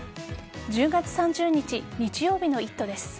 １０月３０日日曜日の「イット！」です。